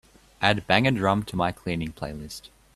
add bang a drum to my cleaning playlist